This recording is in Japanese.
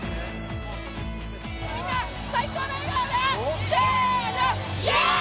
みんな、最高の笑顔でイエーイ。